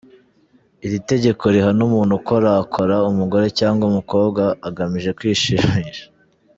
Iri tegeko rihana umuntu ukorakora umugore cyangwa umukobwa agamije kwishimisha.